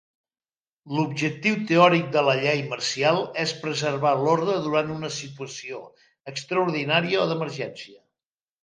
L'objectiu teòric de la llei marcial és preservar l'ordre durant una situació extraordinària o d'emergència.